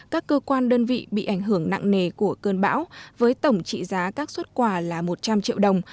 các cơ quan đơn vị bị ảnh hưởng nặng nề của cơn bão với tổng trị giá các xuất quà là một trăm linh triệu đồng